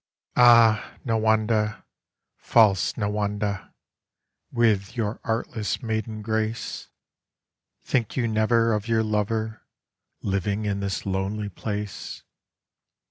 COPALIS. 39 All 1 Nawanda, false Nawanda, with your artless maiden grace, Think you never of your lover living in this lonely place